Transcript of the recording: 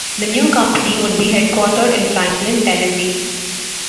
The new company would be headquartered in Franklin, Tennessee.